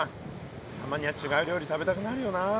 たまには違う料理食べたくなるよな。